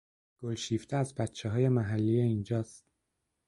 گلشیفته از بچههای محلی اینجاست